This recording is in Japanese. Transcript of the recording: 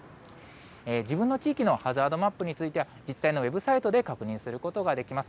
自分の地域のハザードマップについて、自治体のウェブサイトで確認することができます。